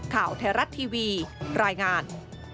ข่าวไทยรัฐทีวีรายงาน